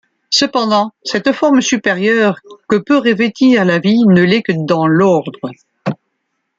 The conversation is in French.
Cependant, cette forme supérieure que peut revêtir la vie ne l'est que dans l'ordre.